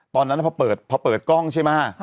ตอนนั้นพอเปิดกล้องใช่ไหม